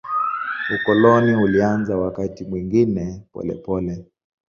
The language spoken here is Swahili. Ukoloni ulianza wakati mwingine polepole.